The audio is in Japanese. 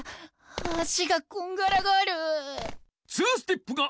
足がこんがらがる。